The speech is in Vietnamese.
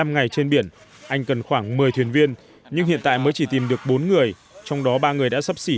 một mươi năm ngày trên biển anh cần khoảng một mươi thuyền viên nhưng hiện tại mới chỉ tìm được bốn người trong đó ba người đã sắp xỉ năm mươi năm tuổi